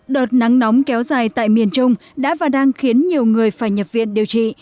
đợt nắng nóng kéo dài tại miền trung đã và đang khiến nhiều người phải nhập viện điều trị